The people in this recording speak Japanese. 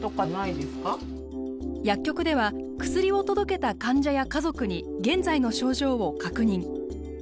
薬局では薬を届けた患者や家族に現在の症状を確認。